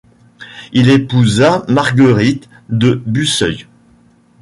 Il épousa Marguerite de Busseuil.